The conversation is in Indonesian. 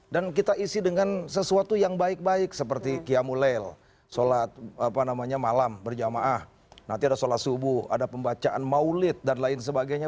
jadi kita harus berhenti dengan sesuatu yang baik baik seperti qiyamulail sholat malam berjamaah nanti ada sholat subuh ada pembacaan maulid dan lain sebagainya